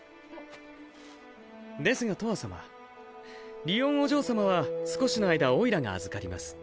ですがとわさまりおんお嬢様は少しの間オイラが預かります。